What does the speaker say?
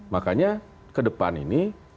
makanya ke depan ini